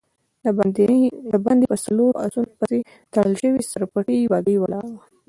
د باندی په څلورو آسونو پسې تړل شوې سر پټې بګۍ ولاړه وه.